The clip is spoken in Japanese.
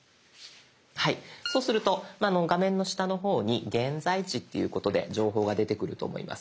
はいそうすると画面の下の方に「現在地」っていうことで情報が出てくると思います。